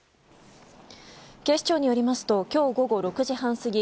警視庁によりますと今日午後６時半過ぎ